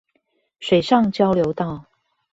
水上交流道